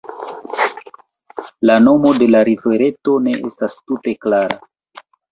La nomo de la rivereto ne estas tute klara.